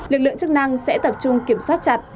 lực lượng chức năng sẽ tập trung kiểm soát chặt